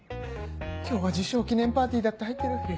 今日は受賞記念パーティーだって入ってる。